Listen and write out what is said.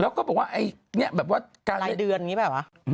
แล้วก็บอกว่าลายเดือนนี้ไหมล่ะ